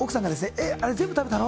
「えっあれ全部食べたの？」